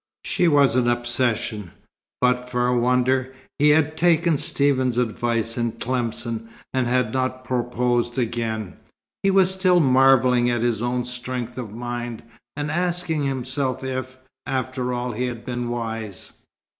She was an obsession. But, for a wonder, he had taken Stephen's advice in Tlemcen and had not proposed again. He was still marvelling at his own strength of mind, and asking himself if, after all, he had been wise.